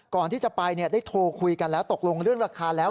ก่อนที่จะไปได้โทรคุยกันแล้วตกลงเรื่องราคาแล้ว